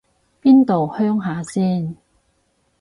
邊度鄉下先